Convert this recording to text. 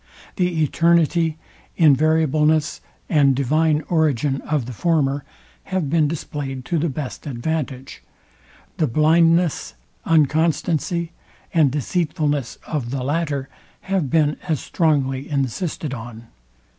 The eternity, invariableness, and divine origin of the former have been displayed to the best advantage: The blindness, unconstancy, and deceitfulness of the latter have been as strongly insisted on.